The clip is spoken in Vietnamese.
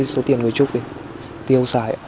số tiền người trúc đi tiêu xài